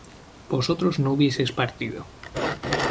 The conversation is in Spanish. vosotros no hubieseis partido